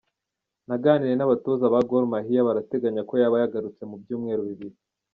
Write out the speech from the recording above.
Naganiriye n’abatoza ba Gor Mahia, barateganya ko yaba yagarutse mu byumweru bibiri.